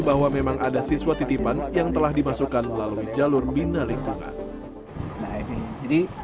bahwa memang ada siswa titipan yang telah dimasukkan melalui jalur bina lingkungan nah ini